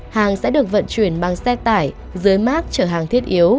hàng sẽ được vận chuyển bằng xe tải dưới mát chở hàng thiết yếu